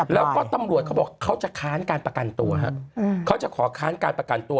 แล้วก็ตำรวจเขาบอกเขาจะค้านการประกันตัวฮะเขาจะขอค้านการประกันตัว